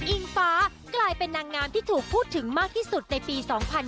อิงฟ้ากลายเป็นนางงามที่ถูกพูดถึงมากที่สุดในปี๒๕๕๙